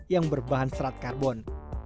yang berbahan serat karbon